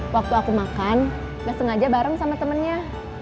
waktu aku makan gak sengaja bareng sama temennya